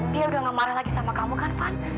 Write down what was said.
dia udah nggak marah lagi sama kamu kan van